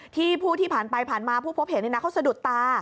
ผู้ที่ผ่านไปผ่านมาผู้พบเห็นนี่นะเขาสะดุดตา